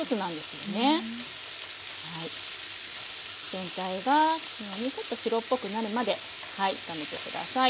全体がもうちょっと白っぽくなるまで炒めて下さい。